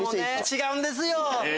違うんですよ。